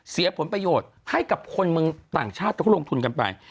เสียผลประโยชน์ให้กับคนเมืองต่างชาติเขาก็ลงทุนกันไป